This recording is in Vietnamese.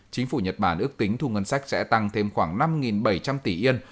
chính phủ nhật bản ước tính thu ngân sách sẽ tăng thêm khoảng năm bảy trăm linh tỷ yên